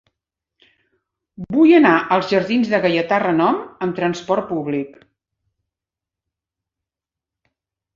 Vull anar als jardins de Gaietà Renom amb trasport públic.